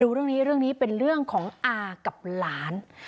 เรื่องนี้เรื่องนี้เป็นเรื่องของอากับหลาน